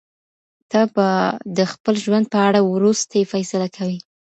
ته به د خپل ژوند په اړه وروستۍ فیصله کوې.